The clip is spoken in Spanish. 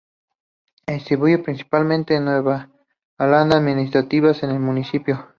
Se distribuye principalmente en nueve aldeas administrativas en el municipio.